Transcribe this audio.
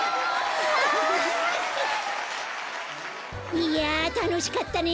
いやたのしかったね。